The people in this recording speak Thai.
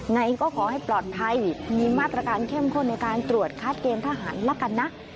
ไงก็ขอให้ปลอดภัยมีมาตรการเข้มข้นในการตรวจคัดเกณฑ์ทหารละกันนะ